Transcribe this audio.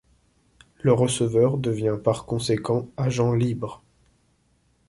Le receveur devient par conséquent agent libre.